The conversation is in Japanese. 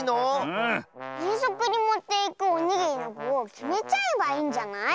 えんそくにもっていくおにぎりのぐをきめちゃえばいいんじゃない？